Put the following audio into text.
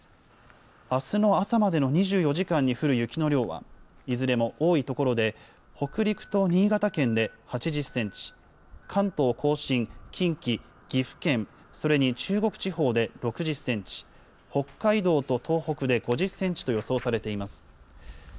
あすの朝までの２４時間に降る雪の量は、いずれも多い所で、北陸と新潟県で８０センチ、関東甲信、近畿、岐阜県、それに中国地方で６０センチ、北海道と東北で５０センチと予想されています。